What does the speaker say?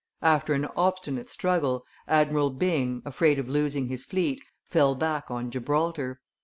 After an obstinate struggle, Admiral Byng, afraid of losing his fleet, fell back on Gibraltar.